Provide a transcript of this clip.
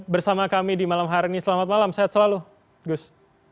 bersama kami di malam hari ini selamat malam sehat selalu gus